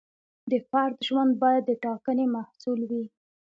د فرد ژوند باید د ټاکنې محصول وي.